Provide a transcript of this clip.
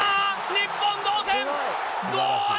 日本同点！